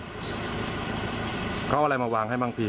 เขาเอาอะไรมาวางให้บางที